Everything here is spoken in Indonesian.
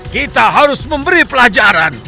kita harus memberi pelajaran